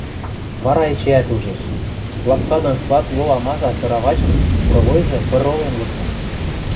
Вара эчеӓт ужеш: лапка дон склад ло амаса сыравачын провойжы пыролен лыкмы...